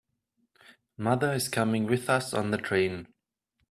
Mother is coming with us on the train.